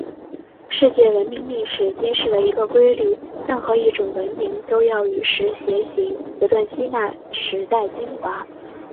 世界文明历史揭示了一个规律：任何一种文明都要与时偕行，不断吸纳时代精华。